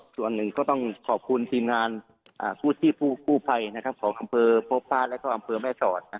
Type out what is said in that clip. ส่วนหนึ่งก็ต้องขอบคุณทีมงานกู้ภัยของอำเภอพบพระและก็อำเภอแม่สอด